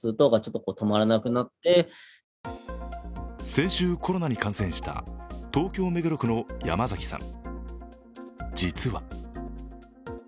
先週、コロナに感染した東京・目黒区の山崎さん。